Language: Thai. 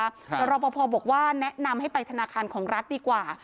แต่รอปภบอกว่าแนะนำให้ไปธนาคารของรัฐดีกว่า